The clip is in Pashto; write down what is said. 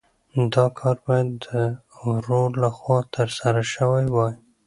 دا کار باید د ورور لخوا ترسره شوی وای.